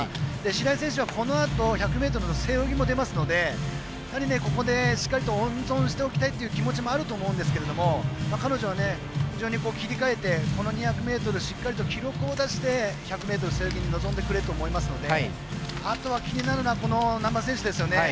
白井選手は、このあと背泳ぎも出ますのでやはり、しっかりと温存しておきたいという気持ちもあると思うんですけど彼女は非常に切り替えてこの２００ｍしっかりと記録を出して１００ｍ背泳ぎに臨んでくれると思いますのであとは気になるのは難波選手ですよね。